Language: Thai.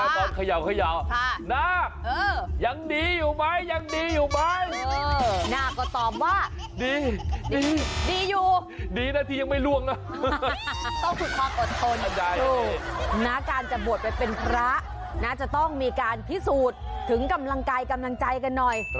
ตอนอดทนการจะบวชไปเป็นพระนะจะต้องมีการพิสูจน์ถึงกำลังกายกำลังใจกันหน่อย